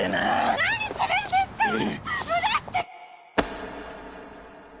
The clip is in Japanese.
何するんですか放して！